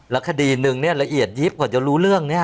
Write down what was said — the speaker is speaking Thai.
แล้วคดีนึงเนี่ยละเอียดยิบก่อนจะรู้เรื่องเนี่ย